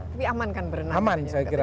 tapi aman kan berenang aman saya kira